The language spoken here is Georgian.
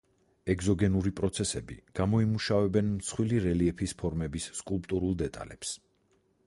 ეგზოგენური პროცესები გამოიმუშავებენ მსხვილი რელიეფის ფორმების სკულპტურულ დეტალებს.